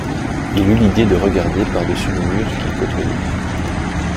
Il eut l'idée de regarder par-dessus le mur qu'il côtoyait.